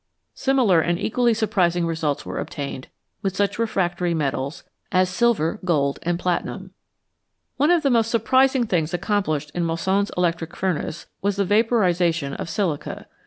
Similar and equally surprising results were obtained with such refractory metals as silver, gold, and platinum. One of the most surprising things accomplished in Moissan's electric furnace was the vaporisation of silica.